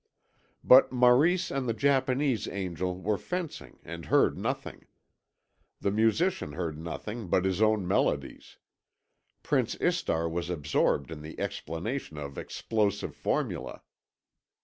But Maurice and the Japanese angel were fencing and heard nothing. The musician heard nothing but his own melodies. Prince Istar was absorbed in the explanation of explosive formulæ.